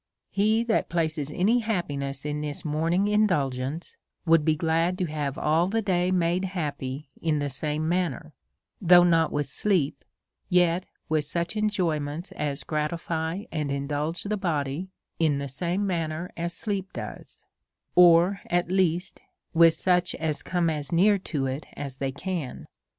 He that places any happiness in this morning indulgence would be glad to have all the day made happy in the same manner; though not with sleep, yet with such enjoy ments as gratify and indulge the body in the same manner as sleep does ; or, at least, with such as come as near to it as they can.